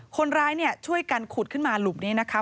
คนร้ายช่วยกันขุดขึ้นมาหลุมนี้นะคะ